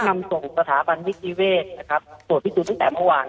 นำส่งสถาบันมิตรภิเวษตรวจภิสูจน์ตั้งแต่เมื่อวาน